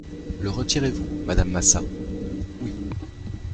Le retirez-vous, madame Massat ? Oui.